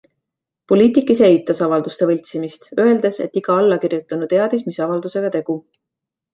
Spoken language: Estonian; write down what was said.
Poliitik ise eitas avalduste võltsimist, öeldes, et iga allakirjutanu teadis, mis avaldusega tegu.